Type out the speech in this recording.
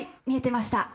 見えてました。